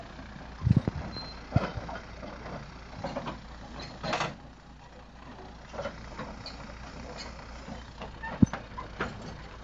Sus proteínas producen un descenso de la fuerza contráctil del corazón, originando una bradicardia.